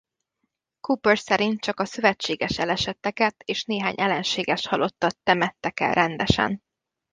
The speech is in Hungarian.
Cooper szerint csak a szövetséges elesetteket és néhány ellenséges halottat temettek el rendesen.